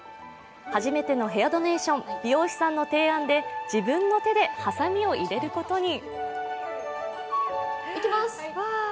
初めてのヘアドネーション、美容師さんの提案で自分の手でハサミを入れることに。